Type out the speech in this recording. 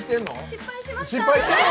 失敗しました。